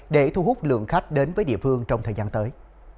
để thu hút lượng khách đến với địa phương trong thời gian tới